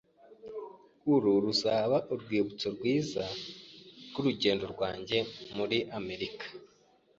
Uru ruzaba urwibutso rwiza rwurugendo rwanjye muri Amerika.